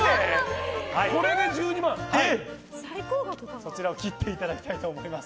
こちらを切っていただきたいと思います。